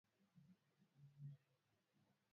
Rose amefika.